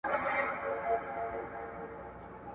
خلګ دې وخت ته تیاره یا توري پېړۍ وايي.